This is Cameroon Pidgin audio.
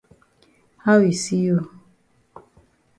How e see you?